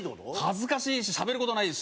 恥ずかしいししゃべる事ないですし。